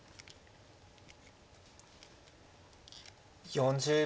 ４０秒。